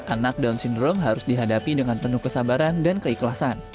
anak down syndrome harus dihadapi dengan penuh kesabaran dan keikhlasan